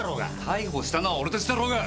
逮捕したのは俺たちだろうが！